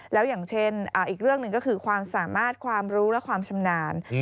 แล้วอย่างเช่นอีกเรื่องหนึ่งก็คือความสามารถความรู้และความชำนาญ